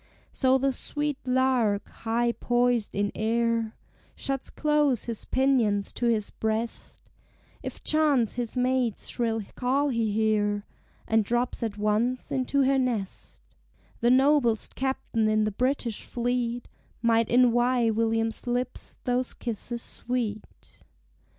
So the sweet lark, high poised in air, Shuts close his pinions to his breast If chance his mate's shrill call he hear, And drops at once into her nest: The noblest captain in the British fleet Might envy William's lips those kisses sweet.